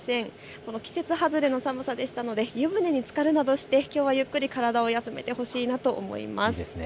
この季節外れの寒さでしたので、湯船につかるなどしてゆっくり体を休めてほしいなと思います。